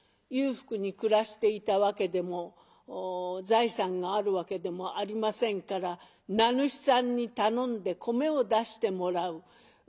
裕福に暮らしていたわけでも財産があるわけでもありませんから名主さんに頼んで米を出してもらう。